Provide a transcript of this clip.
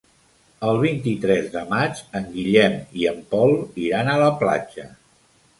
El vint-i-tres de maig en Guillem i en Pol iran a la platja.